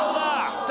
きた。